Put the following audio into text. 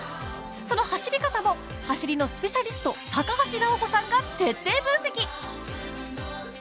その走り方を走りのスペシャリスト高橋尚子さんが徹底分析。